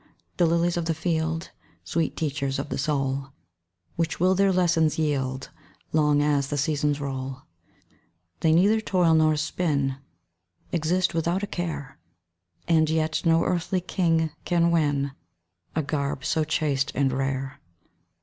The lilies of the field, Sweet teachers of the soul, Which will their lessons yield Long as the seasons roll, They neither toil nor spin, Exist without a care, And yet no earthly king can win A garb so chaste and rare.